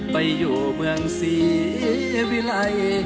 ไปอยู่เมืองสีวิไล